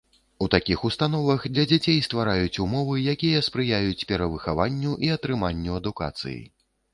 У такіх установах для дзяцей ствараюць умовы, якія спрыяюць перавыхаванню і атрыманню адукацыі.